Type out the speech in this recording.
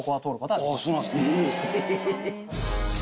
え！